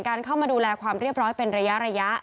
เข้ามาดูแลความเรียบร้อยเป็นระยะ